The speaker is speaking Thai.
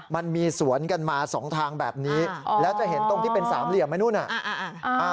มันมีสวนกันมาสองทางแบบนี้แล้วจะเห็นตรงที่เป็นสามเหลี่ยมไหมนู่นน่ะ